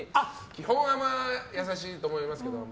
基本は優しいと思いますけど。